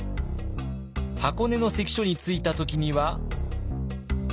箱根の関所に着いた時には。